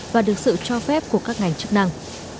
và được sự cho phép của các ngành chức năng